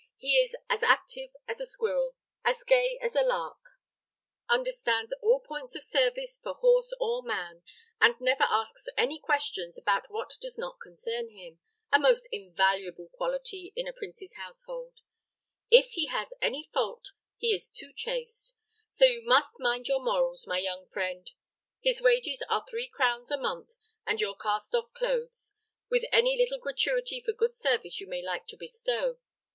He is as active as a squirrel, as gay as a lark, understands all points of service for horse or man, and never asks any questions about what does not concern him a most invaluable quality in a prince's household. If he has any fault, he is too chaste; so you must mind your morals, my young friend. His wages are three crowns a month, and your cast off clothes, with any little gratuity for good service you may like to bestow.